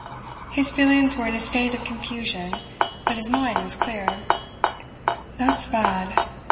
His feelings were in a state of confusion, but his mind was clear. "That's bad.